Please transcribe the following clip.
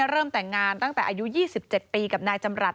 เริ่มแต่งงานตั้งแต่อายุ๒๗ปีกับนายจำรัฐ